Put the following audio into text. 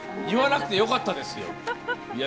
言わなくてよかったですよ。